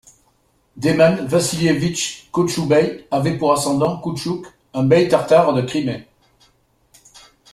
Demian Vassilievitch Kotchoubeï avait pour ascendant Küçük, un bey tartare de Crimée.